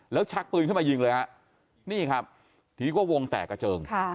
แล้วชักปืนขึ้นมายิงเลยฮะนี่ครับทีนี้ก็วงแตกกระเจิง